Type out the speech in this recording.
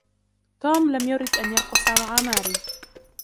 توم لم يرد أن يرقص مع ماري